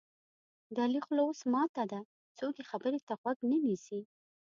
د علي خوله اوس ماته ده څوک یې خبرې ته غوږ نه نیسي.